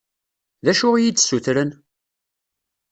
D acu i yi-d-ssutren?